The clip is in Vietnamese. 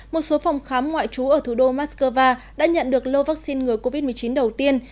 một số phòng khám ngoại trú ở thủ đô moscow đã nhận được lô vaccine ngừa covid một mươi chín đầu tiên